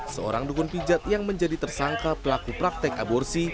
seorang dukun pijat yang menjadi tersangka pelaku praktek aborsi